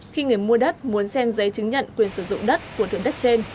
khi người mua đất muốn xem giấy chứng nhận quyền sử dụng đất của thừa đất trên